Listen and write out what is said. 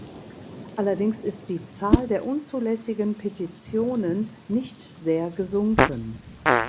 Allerdings ist die Zahl der unzulässigen Petitionen nicht sehr gesunken.